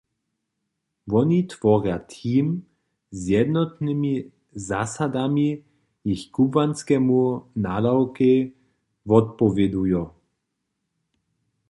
Woni tworja team z jednotnymi zasadami, jich kubłanskemu nadawkej wotpowědujo.